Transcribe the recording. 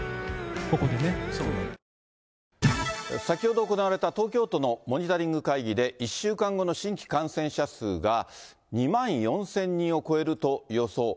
先ほど行われた、東京都のモニタリング会議で、１週間後の新規感染者数が、２万４０００人を超えると予想。